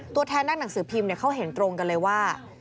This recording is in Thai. ตัวแทนนักหนังสือพิมพ์เขาเห็นตรงกันเลยว่า